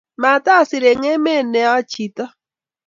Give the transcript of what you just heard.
Matasir eng' emet ne achi too